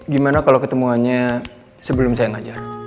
gimana kalau ketemuannya sebelum saya ngajar